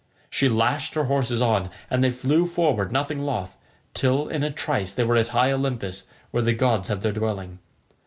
She lashed her horses on and they flew forward nothing loth, till in a trice they were at high Olympus, where the gods have their dwelling.